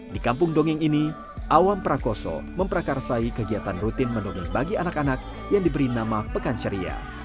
di kampung dongeng ini awam prakoso memperakarsai kegiatan rutin mendongeng bagi anak anak yang diberi nama pekan ceria